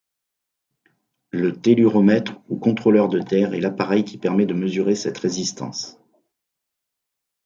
Le telluromètre ou contrôleur de terre est l'appareil qui permet de mesurer cette résistance.